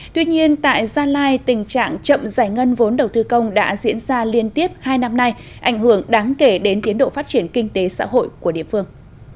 tuy nhiên tại gia lai tình trạng chậm giải ngân vốn đầu tư công đã diễn ra liên tiếp hai năm nay ảnh hưởng đáng kể đến tiến độ phát triển kinh tế xã hội của địa phương